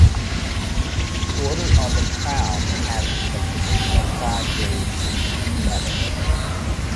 The Order of the Crown has the traditional five grades and three medals.